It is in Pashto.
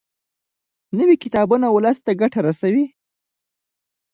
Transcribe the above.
نوي کتابونه ولس ته ګټه رسوي.